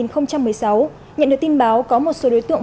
nhận được tin báo có một số đối tượng